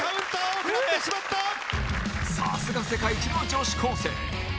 さすが世界一の女子高生